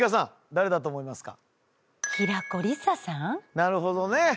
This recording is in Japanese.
なるほどね。